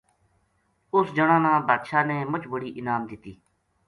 اُس جنا نا بادشاہ نے مچ بڑی انعام دتی